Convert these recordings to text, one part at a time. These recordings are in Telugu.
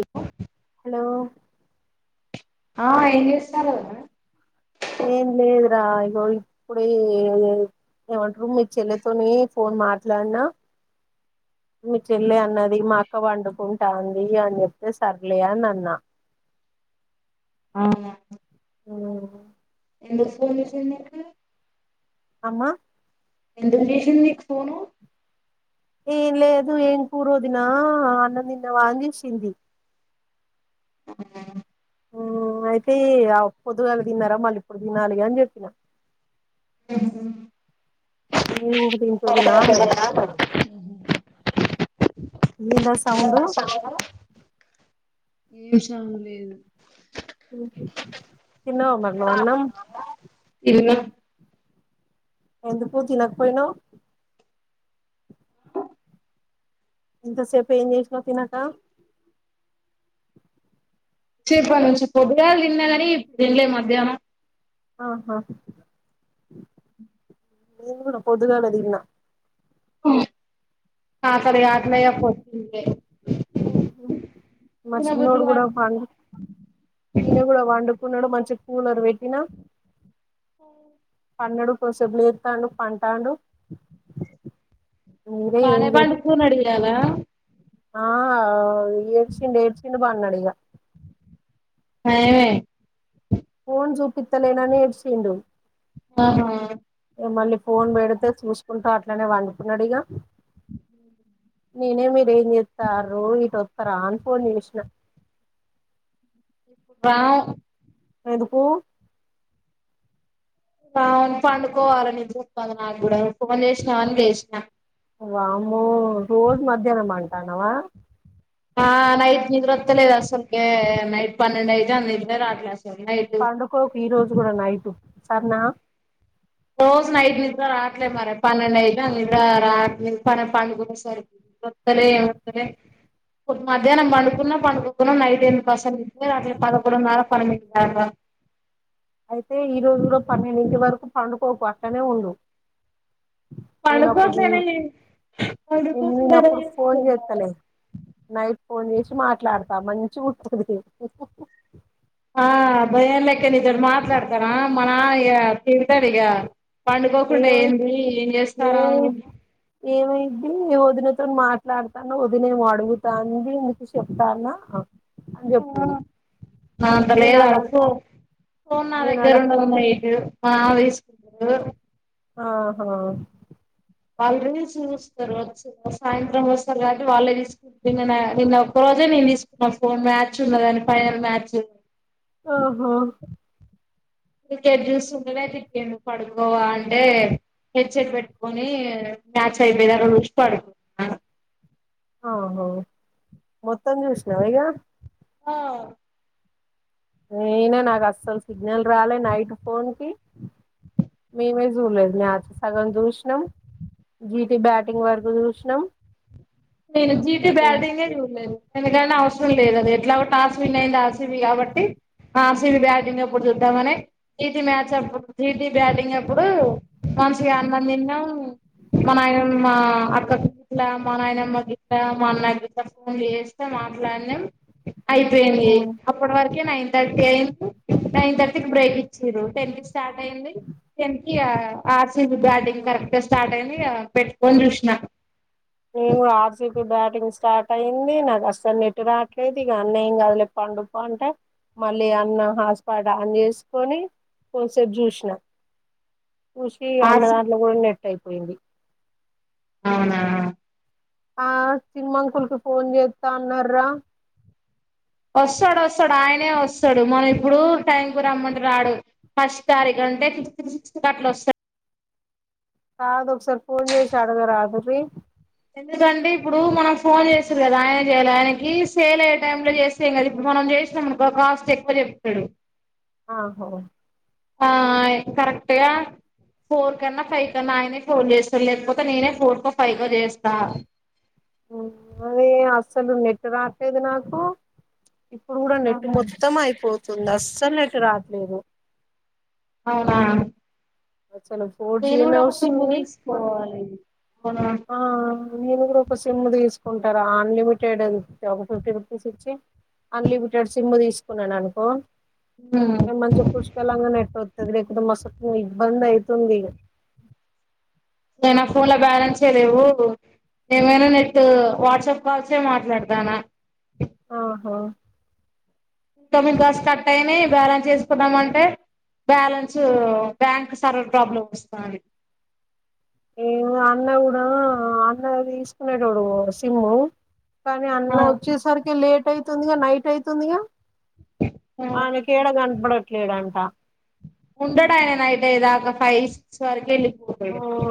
ఎకో. [unintelligible] హలో! ఆ ఏం, చేస్తున్నారు వదినా? ఏం లేదు రా, ఈగో ఇప్పుడే [unintelligible] ఏమంటారు. మీ చెల్లితో ఫోన్ మాట్లాడనా. మీ చెల్లె అనింది? ఆ అక్క వండుకుంటాంది అని చెప్తే, సర్లే అన్నా. అవునా! హ్మ్. ఎందుకు ఫోన్ చేసింది? అక్కా. అమ్మ! ఎందుకు చేసింది నీకు ఫోన్‌ను? ఏం లేదు, ఏం కూర వదినా? అన్నం తిన్నావా అని జేసింది. ఓ, అయితే ఆ పొద్దుగాల తిన్నారా? మళ్లీ ఇప్పుడు తినాలిగా అని జెపిన్న. ఉహ్మ్. అని ఉదాది! సజనా [inaudible] అన్ [unintelligible] మేన్ దుస్. [inaudible] నాశావా [inaudible] ఏ శము లేదు. ఉహూ! తినవ్ మరి నువ్వు అన్నం? ఇదినా? ఎందుకు తినకుపోయిన ఇంతసేపు ఏం చేసినావ్ తినక చెప్పను పొద్దుగాల తిన్నా కాని ఇప్పుడు తినలే మధ్యాహ్నం ఆహా నేను కూడా పొద్దుగాల దిన్నా ఓ ఆకలి ఆకలేయ [unintelligible] అ [unintelligible] మా చిన్నోడు కూడా కావట్లే పండు ఈయన కూడా పండుకున్నాడు మంచి కూలరు పెట్టిన పండుడు కొద్దిసేపు లేత్తండు పంటాండు మీరే ఏం బానే చే పండుకున్నడు ఈయల ఆ ఏడ్చిండ్ ఏడ్చిండ్ ఇక పడినాడిగా నయమే పోన్ చూపితలేనని ఏడ్చిండు ఆహా ఏ మళ్ళీ ఫోన్ పెడితే చూస్ కుంటా అట్లనే పండుకున్నడిగ హ నేనే మీ న్స్తారు ఇట్ొస్తర అంత ఫోన్ చేసిన రా ఎందుకు అవును పండుకోవాలనింది నాకు కూడా ఫోన్ చేసినా అని చేసిన వామ్మో రోజ్ మధ్యాహ్నం పండతానవా ఆ నయి నిద్ర వతలేదసలు ే నైట్ పన్నెండు అయితాంది నిద్రే రావట్లే అసలు నైట్ పండుకోకు ఈ రోజు కూడా నైట్ సన్నా రోజ నైట్ ని నిద్రరాట్లే మరి పన్నెండై ద రాత్ర ప పండుకునే సరి ఏమ మధ్యాహ్నం పండుకున్నా పండుకుకున్నా నైట్ ఏ [unintelligible] అసలు నిద్రే రావట్లే పదకొండున్నరా పన్నెండు ఆా [unintelligible] అయితే ఈ రోజు కూడ పన్నెండింటి వరకు పండుకోకు అట్లనే ఉండు పను నేను అప్పుడు కోసన పడు కో నేను నేనప్పుడు ఫోన్ చేత్తలే [unintelligible] నైట్ ఫోన్ చేసి మాట్లాడతా, మంచి ముచ్చట పెడతాది ఆ భయం లెక్క నితో మాట్లాడతాార మన ఇక తిగుతాడు ఇక పండుకోకుండా ఏమై ఏంది ఏం చేస్తారా గీ వదినతో మాట్లాడుతున్న, వదిన ఏమో అడుగుతాంది, నీ కు చెప్తానా నా అంత లేదు నేనాడ అడుకో నా నేనాడ దగ్గర ఉండన్నా మావి [unintelligible] సుారు [unintelligible] అహా వాళ్ళు రీల్స్ చూస్తారు వచ్చి సాయంత్రం వస్తారు కాబట్టి వాళ్ళే తీసుకుంట, నిన్న ఒక్క రోజే నేను తీసుకున్నాను ఫోన్ మ్యాచ్ ఉన్నదని ఫైనల్ మ్యాచ్ ఆహ్ హా క్రికెట్ చూస్తుంటేనే తిట్టిండు పడుకోవా అంటే హెడ్సెట్ పెట్టుకొని మ్యాచ్ అయిపోయిదాకా చూసి పడుకున్నాడు ఓహో మొత్తం చూసినవా ఇగ ఆ నేనా నాకు అస్సలు సిగ్నల్ రాలేదు నైట్ ఫోన్ కి, మేమే చూడలేదు మ్యాచ్ సగం చూసినాం జీటి బ్యాటింగ్ వరకు చూసినాం నేను జీటి ఏ బ్యాటింగ్ గే చూడలేదు, ఎందుకంటే అవసర అసం లేదుది ఎట్లాగా టాస్ విన్ అయింది ఆర్ సి బి కాబట్టి, ఆర్ సీబీ బ్యాటింగ్ అప్పుడు చూద్దామనే జీటి మ్యాచ్ అప్పు జేతే బ్యాటింగ్ అప్పుడు మంచిగా అన్నం తిన్నాం మా నాయనమ్మ అక్క కు గిట్ల మనయనం అమ్మ మా అన్న గిట్ల ఫోన్ చేస్తే మాట్లాడినాం ఊ అయిపోయింది అప్పటి వరకు ఇగ నైన్ థర్టీ అయిన్ నైన్ థర్టీ కి ఊ బ్రేక్ ఇచినృ, టెన్ కి స్టార్ట్ అయింది టెన్ కి బ్యాటింగ్ కరెక్ట్ గా స్టార్ట్ అయింది పెట్టుకని చూసిన నేను కూడా ఆర్సీపీ బ్యాటింగ్ స్టార్ట్ అయింది నాకు అసలు నెట్ రాట్లేదు, ఇక అన్న ఏం కాదు దులే పండుకో అంటే మళ్ళీ అన్న హాట్ స్పాట్ ఆన్ చేసుకొని కొంచంసేపు చూసినా ఖుషీ, అన్న ఆర్సి దాంట్లో కూడా నెట్ అయిపోయింది అవునా ఆ సినిమా. అంకుల్కి ఫోన్ చేస్తా అన్న రా వస్తాడు వస్తాడు ఆయనే వస్తాడు మనం ఇప్పుడు టైం కు రమ్మంటే రాడు, ఫస్ట్ తారీఖ అంటే ఫిఫ్త్, సిక్స్ అట్లా వస్తాడు కాదు ఒకసారి ఫోన్ చేసి అడగరదున్రి ఎందుకంటే ఇప్పుడు మనం ఫోన్ చేసారు కదా ఆయన చేయాలి ఆయనకి సేల్ అయ్యే టైమ్ లో చేస్తేం కదా ఇప్పుడు మనం చేసాంనుకో కాస్ట్ ఎక్కువ చెప్తాడు అహా హా ఆ కరెక్ట్ గా ఫోర్ కన్నా ఫైవ్ కన్నా ఆయనే ఫోన్ చేస్తాారు లేకపోతే నేనే ఫోర్ కో ఫైవ్ కో చేస్తా అదే అస్సలు నెట్ రాట్లేదు నాకు ఇప్పుడు కూడా నెట్ ఆహా మొత్తం అయిపోతుంది అస్సలు నెట్ రాదు లేదు [inaudible] అవునా ఫోర్ నేను కూడా జీనే ఒక సిమ్ వస్తుంది తీసుకోవాలి అవునా ఆ నేను కూడా ఒక సిమ్ తీసుకుంటారా అన్లిమిటెడ్, ఒక ఫిఫ్టీ రూపీస్ ఇచ్చి అన్లిమిటెడ్ సిమ్ తీసుకున్నాను అనుకో ఉమ్ మంచిగా పుష్కలంగా నెట్ వస్తది, లేకపోతే మస్త్ ఇబ్బంది అయితది తుందిగ. ఏయ్, నా ఫోన్ లా బ్యాలెన్స్ ఏ లేవూ, ఏమైనా, నెట్టూ వాట్సప్ కాల్ ఏ మాట్లాడ దానా. హాా! ఇన్‌కమింగ్ కాల్స్ కట్ అయ్యినయ్, బ్యాలెన్స్ ఏసుకుందాం అంటే బ్యాలెన్సూ బ్యాంక్ సర్వర్ ప్రాబ్లమ్స్ వస్తుంది. ఏమో, అన్నా కూడా, అన్నా తీస్కునేటోడు ఓ సిమూ. కాని, అన్నా వచ్చే సర్కీ. లేట్ అయితుంది గా, నైట్ అయితుంది గా. ఆయనకు, ఏడా కనపడట్లేదంట. ఉండడు, ఆయన నైట్ అయ్యేదాకా ఫైవ్ సిక్స్ వరకే వెళ్లి. పోతలేదు [unintelligible] టే.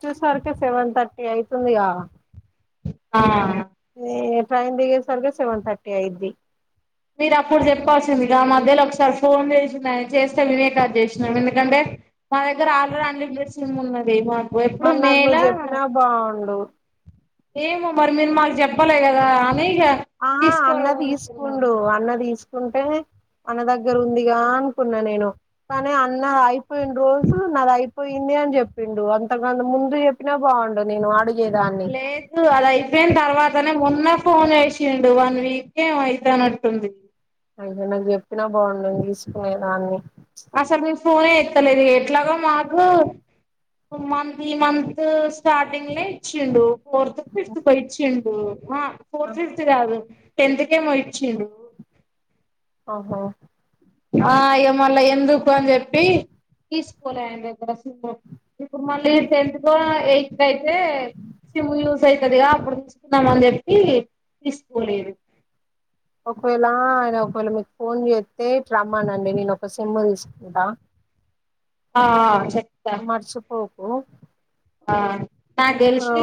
చ్చేసరికే, సెవెన్ థర్టీ అయితుంది గా! ఆ. ఏ, ట్రైన్ దిగేస? సర్గే, సెవెన్ థర్టీ అయ్యేది! మీరు అప్పుడు చెప్పాల్సింది గా, ఆ మధ్యలో ఒకసారి, ఫోన్ జేశినా. చేస్తే, నేనే కట్ జేశ్నా. ఎందుకంటే మా దగ్గర, ఆల్రెడీ అన్‌లిమి. పిలిచింది మొన్న మే [unintelligible] మర్పు, ఇప్పుడు మరి నాకు నువ్వు మేలా? చెప్పినా బాగుండు ఏమో మరి, మీరు మాకు జాప్పలే కదా. అని ఇగ ఆహా తీసుకోరు అన్నా, అనుకున్నాను తీస్కుండు అన్నా, తీస్క్. ఉంటే, అన్న దగ్గర ఉందిగా అనుకున్నా నేను. కానీ అన్న అయిపోయిండ రోజు, నాది అయిపోయింది అని జెప్పిండు. అంతకన్నా ముందు జెప్పినా, బాగుండు. నేను అడిగి. లేదు, అది అయిపోయిన తర్వాతనే మొన్న. ఫోన్ యేశిండు, వన్ వీక్ ఏమో, అయితనట్టుఉంది. అయితే నాకు చెప్పిన బాగుండు, నేను తీస్కునేదాన్ని. అసలు మీమ్స్ [unintelligible] ఫోనే ఎత్తలేదు. ఎట్లాగో మాకు మంత్లీ, ఈ మంత్ స్టార్టింగ్‌లనే ఇచ్చిండు. ఫోర్తుకు, ఫిఫ్త్‌ కొ, ఇచ్చిండు! హ్మ్! ఆహ్, ఫోర్త్ ఫిఫ్త్ కాదు. టెన్త్‌కేమో ఇచ్చిండు. ఆహా! ఆ అయ్యో, మళ్లీ ఎందుకు అని చెప్పి, తీస్కోలే ఆయన దగ్గర [inaudible] అసలు. ఇప్పుడు మళ్లీ టెన్త్‌కో, ఎయిట్‌! [unintelligible] దీనికి అయితే సిమ్ యూజ్ అయితదిగా, అప్పుడు తీస్కుందాం అని జెప్పి తీస్కోలేదు. ఒకవేళ ఆయన ఒకవేళ మీకు ఫోన్ చేస్తే, ఇటు రమ్మనండి. నేను ఒక సిమ్ తీస్కుంటా. ఆ. చె. మర్షిపోకు! ఓ! ఆ! నాకు తెలిసి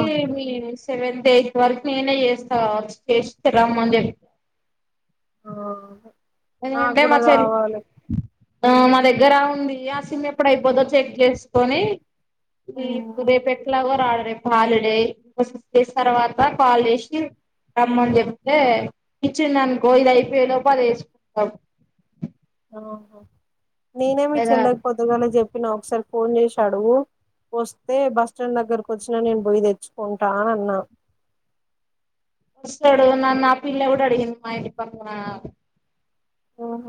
సెవెంతత్ ఎయిత్ వరకు నేనే చేస్తా చేస్త రమ్ అని చెప్పి ఆ నాకు అంటి కూడా మాచరి కావాలి ఆ మా దగ్గర ఆ సిమ్ ఎప్పుడు అయిపోదో చెక్ చేసి కొనీ ఈపు రేపు ఎట్లాగా రాదు హాలిడే తర్వాత కాల్ చేసి రమ్మని చెప్తే ఇచ్చిం అనుకో ఇది అయిపోయ లోపు అది వేసు అఓ ఆహ నేనే మీ లేదా చెల్లెకి పొద్దుగాల చెప్పినా ఒకసారి ఫోన్ చేశాడు వస్తే బస్ స్టాండ్ దగ్గరకు వచ్చినా నేను బొయ్యి తెచ్చుకుంటా అన్నా వస్డు నన్న ఆ పిల్ల కూడా అడిగింది మా ఇంటి పక్కన ఆఓహ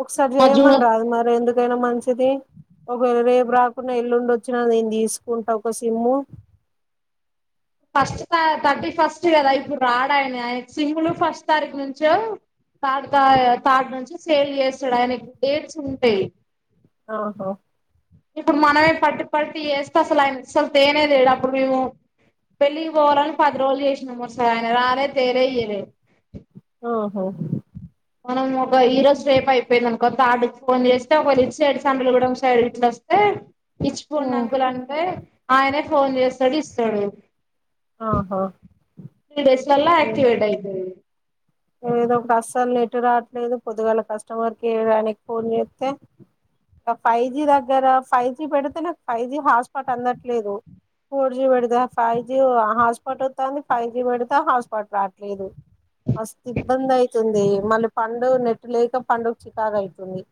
ఒకసారి మా చేయమండ జూన్ అది మరి ఎందుకు ఎకైనా మంచిది ఒకవేళ రేపు రాకుండా ఎల్లుండి వచ్చిన నేను తీసుకుంటా ఒక సిమ్ము ఫస్ట్ త థర్టీ ఫస్ట్ కదా ఇప్పుడు రాడాయన ఆయన సింగుల్ ఫస్ట్ తారీఖు నుంచో థర్డ్ థర్డ్ నుంచి సేల్ చేస్తాడు ఆయనకు డేట్స్ ఉంటాయి ఆహా ఇప్పుడు మనమే పట్టి పట్టి చేస్తే అసలు ఆయన అసలు తేనేదేడు అప్పుడు మేము పెళ్ళికి పోవాలని పది రోజులు చేసినాము అసలు ఆయన రానేే తేనే ఇయ్యలేడు ఆఓహో మనం ఒక హీరో స్ రేప్ అయిపోయింద అనుకోంత అడుకి ఫోన్ చేస్తే ఒకళ సైడ్ సండలు కూడా ఒక సైడ్ ఇట్లో వస్తే ఈచిపోండి అంకుల్ అంటే ఆయన పోన్ చేస్తాడు ఇస్తాడు ఆహా త్రీ డేస్ల ఆక్టివేట్ అయితుంది దో ఒక అస్సలు నెట్ రావట్లేదు పొద్దుగాల కస్టమర్ కేర్డానికి ఫోన్ చేస్తే ఫైవ్ జి దగ్గర ఫైవ్ జి పెడితే నాకు ఫైవ్ జి హాట్స్పాట్ అందట్లేదు ఫోర్ జి పెడితే ఫైవ్ జీ హాట్స్పాట్ వత్తండి ఫైవ్ జి పెడితే హాట్స్పాట్ రావట్లేదు మస్తు ఇబ్బంది యి తుంది మళ్ళీ పని లేనట్టు లేక పని చికాగు అవుతుంది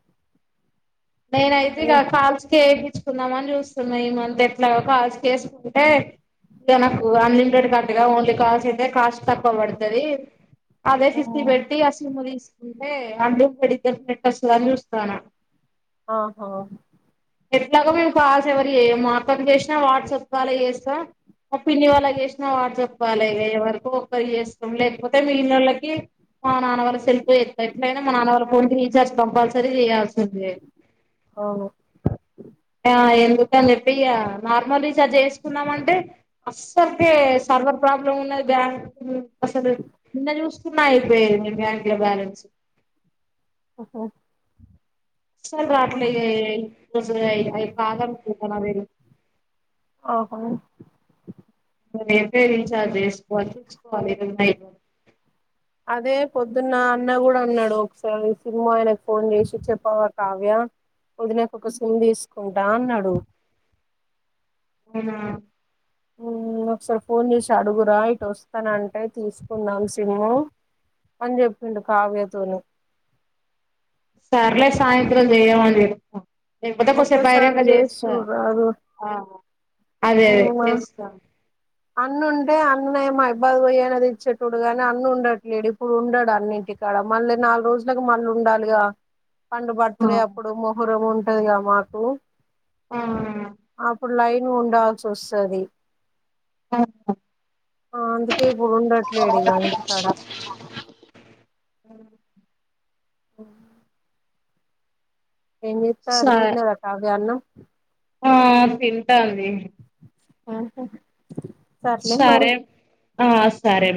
నైనైయితే ఇ కాల్కి కందామని చూస్తున్నాం ఈ మంత్ ఎట్లా కాల్స్ చేసుకుంటే ఇ నాకు అన్లిమిటెడ్ కట్టుగా ఓన్లీ కాల్స్ అయితే కాస్ట్ తక్కువ పడుతుంది అదే ఫిఫ్టీ పెట్టీ ఆ సిమ్ తీసుకు అంటే అందు పెడిద్ద నెట్టస్తుందని చూస్తాను ఆహా ఎట్లాగో మేము కాల్స్ ఎవరు చేయము మా అక్కకి చేసినా వాట్స్ అప్ కాల్ చేస్తాం మా పిన్ని వాళ్ళకి చేసినా వాట్స్ అప్ కాల్ చేస్తాం ఎవరికు ఒక్కరు చేస్తాం లేకపోతే మిగిలిన వాళ్ళకి మా నాన్నవాళ్ళ ెల్ఫస్త ఎట్లయినా మా నానా వాళ్ళ ఫోన్ రీచార్జ్ కం చేయాల్సింది ఓ ఎందుక అని చెప్పి నార్మల్ రీచార్జ్ చేసుకున్నామంటే అస్సలుకే సర్వర్ ప్రాబ్లమ్ ఉన్నది బ్యాంక్ అసలు నిన్న చూస్ న్న అయిపోయది మి బ్యాంక్ లో బ్యాలెన్స్ ఓహో అసల్ రాట్లే దే ఏ అయి కాదనుకుంట నాకు తెలిసి ఆహా రేపే రీఛార్జ్ చేసుకుంకోవాలి తెచ్చుకోవాలి ఈరోజు నైట్ వరకు అదే పొద్దున్న అన్న కూడా అన్నాడు ఒకసారి సిమ్ ఆయనకు ఫోన్ చేసి చెప్పావా కావ్య ఒదినకొక ఒక సిమ్ తీసుకుంటా అన్నాడు ఉహు ఉమ్ ఒకసారి ఫోన్ చేసి అడుగురా ఇటు ఒస్తనంటే తీసుకుందాం సిమ్ము అని చెప్పిండు కావ్యతోని సర్లే సాయంత్రం చేయమని చెప్తా లేకపోతే సేపైనంక ఒక్కసారి చేసి చేస్తా చూడరాదు అదే అదే చేస్తా అన్ను ఉంటే అన్న ఏమయిబ్బాద్ పోయి అయిన తెచ్చేటోడు గాని అన్ను ఉండట్లేడు ఇప్పుడు ఉండడు అన్నింటికాడ మళ్ళ నాలుగు రోజులలకు మళ్ళ ఉండాలిగా పండు ఆ బర్త్డే అప్పుడు మొహరం ఉ టదిగా మాకు ఆ అప్పుడు లైన్ ఉండాల్సొస్తది ఆ ఆ అందుకే ఇప్పుడు ఉండట్లేడు ఇగ ఇంటికాడ అవును ఒ ఎం చెత్తర్రు సరే తిన్నదా సాతియన్నం ఆ తింటాంది ఆహా సరే ఆ సరే